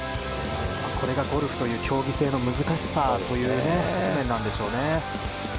これがゴルフという競技性の難しさというところでしょうね。